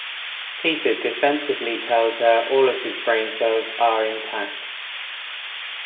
Peter defensively tells her all of his brain cells are intact.